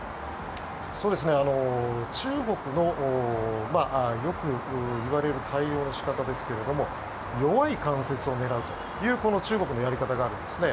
中国のよく言われる対応の仕方ですけれど弱い関節を狙うという中国のやり方があるんですね。